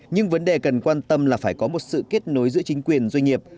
nhưng vấn đề cần quan tâm là phải có một sự kết nối giữa chính quyền doanh nghiệp